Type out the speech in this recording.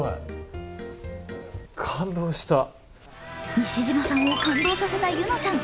西島さんを感動させた柚乃ちゃん。